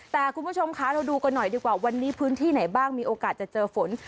แต่คุณผู้ชมคะเราดูกันหน่อยดีกว่าวันนี้พื้นที่ไหนบ้างมีโอกาสจะเจอฝน